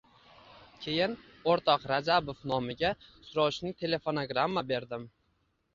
Keyin, o‘rtoq Rajabov nomiga srochniy telefonogramma berdim.